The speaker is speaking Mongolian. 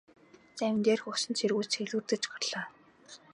Завин дээрх усан цэргүүд ч сэлүүрдэж гарлаа.